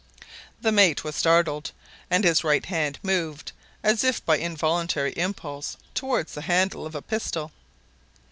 The mate was startled, and his right hand moved, as if by involuntary impulse, toward the handle of a pistol.